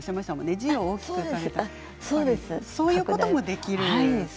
字を大きくとか、そういうこともできるんですね。